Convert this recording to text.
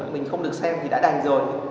mình không được xem thì đã đành rồi